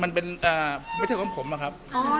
มันเป็นไม่ใช่ของผมอะครับ